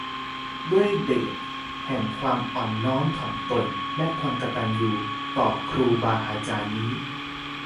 ด้วยเดชแห่งความอ่อนน้อมถ่อมตนและความกตัญญูต่อครูบาอาจารย์นี้